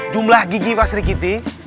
jumlah gigi pak sri kiti